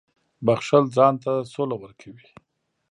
• بښل ځان ته سوله ورکوي.